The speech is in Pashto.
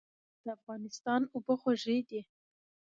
د افغانستان اوبه خوږې دي